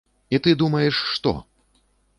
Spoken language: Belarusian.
І ты думаеш што?